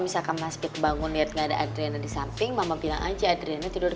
misalkan mas week bangun lihat ada edrina disamping mama bilang aja adrena tidur ke